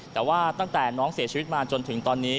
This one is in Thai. แต่ว่าตั้งแต่น้องเสียชีวิตมาจนถึงตอนนี้